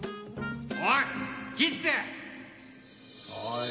おい！